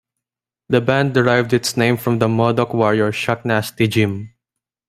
The band derived its name from the Modoc warrior Shacknasty Jim.